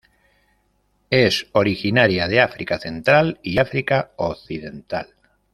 Es originaria de África central y África occidental.